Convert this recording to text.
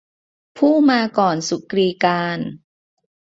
ผู้มาก่อนสุกรีกาล